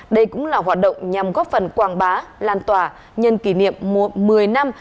đây cũng là hoạt động nhằm góp phần quảng bá lan tòa nhân kỷ niệm mùa một mươi năm